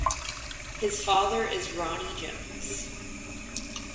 His father is Ronnie Jones.